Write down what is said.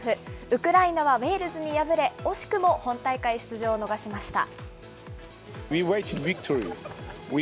ウクライナはウェールズに敗れ、惜しくも本大会出場を逃しました。